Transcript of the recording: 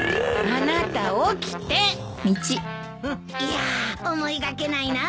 いやー思いがけないなあ。